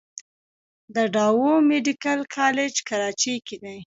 د ډاؤ ميديکل کالج کراچۍ کښې